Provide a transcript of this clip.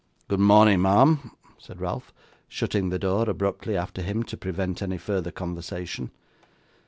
'Good morning, ma'am,' said Ralph, shutting the door abruptly after him to prevent any further conversation.